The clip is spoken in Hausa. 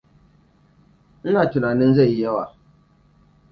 Ina tunanin zai yi yawa.